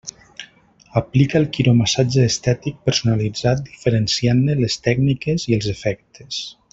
Aplica el quiromassatge estètic personalitzat diferenciant-ne les tècniques i els efectes.